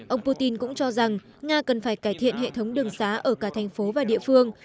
ông putin cũng cho rằng nga cần phải cải thiện hệ thống đường xá ở cả thành phố và địa phương